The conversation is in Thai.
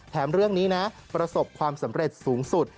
เรื่องนี้นะประสบความสำเร็จสูงสุด